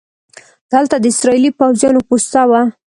دلته د اسرائیلي پوځیانو پوسته وه.